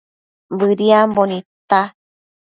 Bëdiambo nidta